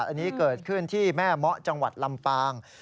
อันนี้เกิดขึ้นที่แม่เมาะจังหวัดลำปาง